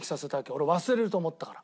俺忘れると思ったから。